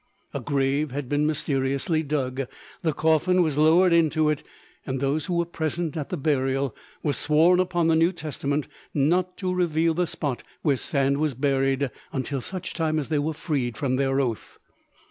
A grave had been mysteriously dug; the coffin was lowered into it, and those who were present at the burial were sworn upon the New Testament not to reveal the spot where Sand was buried until such time as they were freed from their oath.